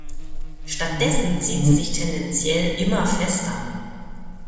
Stattdessen zieht sie sich tendenziell immer fester.